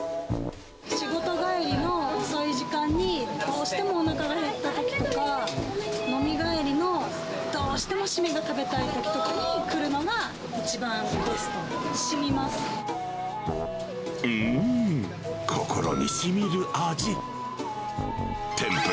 仕事帰りの遅い時間に、どうしてもおなかが減ったときとか、飲み帰りのどうしても締めが食べたいときとかに、来るのが一番ベスト。